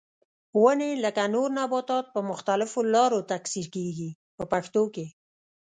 ونې لکه نور نباتات په مختلفو لارو تکثیر کېږي په پښتو کې.